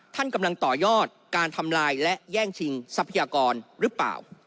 ท่านกำลังต่อยอดการทำลายและแย่งชิงทรัพยากรหรือเปล่า